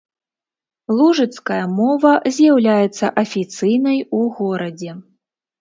Лужыцкая мова з'яўляецца афіцыйнай у горадзе.